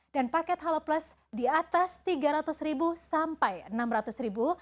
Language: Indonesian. dan paket halo plus di atas rp tiga ratus sampai rp enam ratus